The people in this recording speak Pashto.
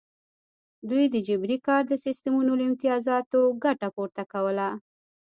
دوی د جبري کار د سیستمونو له امتیازاتو ګټه پورته کوله.